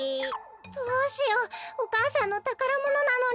どうしようお母さんのたからものなのに。